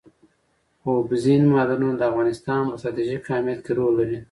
اوبزین معدنونه د افغانستان په ستراتیژیک اهمیت کې رول لري.